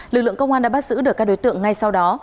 lực lượng công an đã bắt giữ được các đối tượng ngay sau đó